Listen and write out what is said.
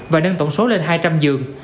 và nâng tổng số lên hai trăm linh giường